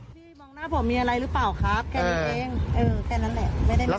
พี่มองหน้าผมมีอะไรหรือเปล่าครับแค่นี้เองเออแค่นั้นแหละ